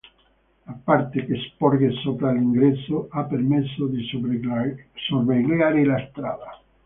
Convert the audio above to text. La parte che sporge sopra l'ingresso ha permesso di sorvegliare la strada.